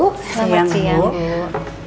selamat siang bu